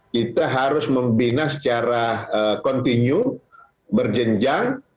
kita harus membina secara kontinu berjenjang